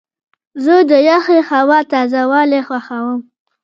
زه د یخې هوا تازه والی خوښوم.